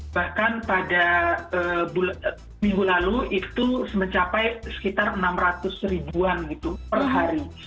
bahkan pada minggu lalu itu mencapai sekitar enam ratus ribuan gitu per hari